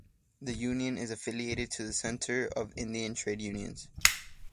The union is affiliated to the Centre of Indian Trade Unions.